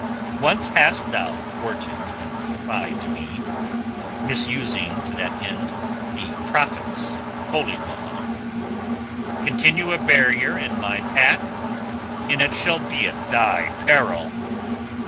Once hast thou thwarted and defied me, misusing to that end the Prophet's Holy Law. Continue a barrier in my path and it shall be at thy peril."